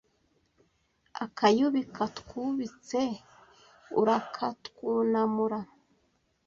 Akayubi katwubitse urakatwunamura